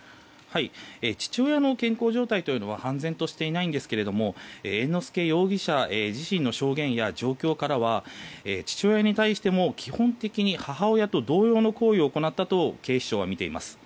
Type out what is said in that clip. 父親の健康状態は判然としていないんですが猿之助容疑者自身の証言や状況からは父親に対しても基本的に母親と同様の行為を行ったと警視庁はみています。